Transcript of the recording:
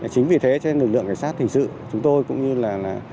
chính vì thế cho nên lực lượng cảnh sát hình sự chúng tôi cũng như là